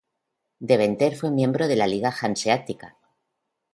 Deventer fue miembro de la Liga Hanseática.